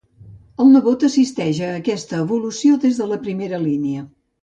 El nebot assisteix a aquesta evolució des de primera línia.